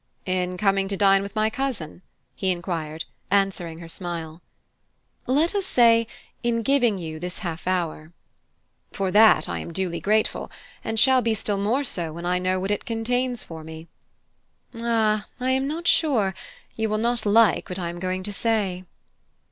"In coming to dine with my cousin?" he enquired, answering her smile. "Let us say, in giving you this half hour." "For that I am duly grateful and shall be still more so when I know what it contains for me." "Ah, I am not sure. You will not like what I am going to say."